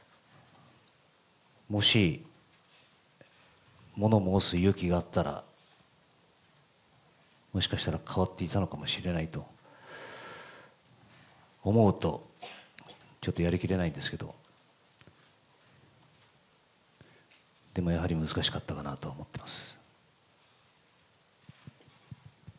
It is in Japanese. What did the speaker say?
もし物申す勇気があったら、もしかしたら変わっていたのかもしれないと思うと、ちょっとやりきれないんですけど、でもやはり難しかったかなと思ってます。